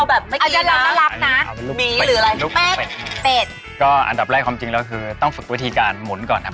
อันดับแรกความจริงแล้วคือต้องฝึกวิธีการหมุนก่อนครับ